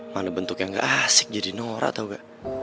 mana bentuk yang nggak asik jadi norak tau gak